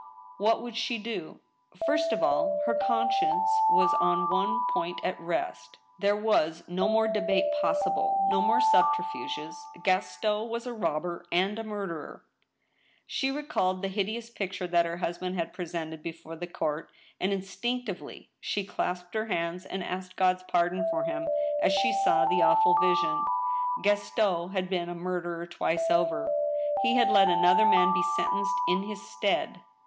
What would she do ? First of all, her conscience was on one point at rest. There was on more debate possible, no more subterfuges. Gaston was a rob ber and a murderer ! She recalled the hideous picture that her husband had presented before the court, and instinctively she clasped her hands and asked God's pardon for him, as she saw the awful vision. Gaston had been a murderer twice over. He had let another man be sentenced in his stead.